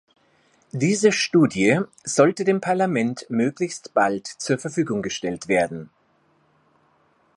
Diese Studie sollte dem Parlament möglichst bald zur Verfügung gestellt werden.